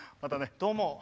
どうも。